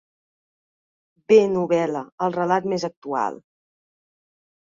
Bé novel·la, el relat més actual.